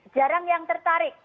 jarang yang tertarik